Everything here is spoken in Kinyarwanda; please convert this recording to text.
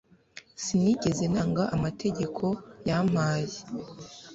sinigeze nanga amategeko yampaye